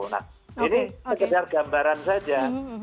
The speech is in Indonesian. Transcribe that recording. nah ini sekedar gambaran saja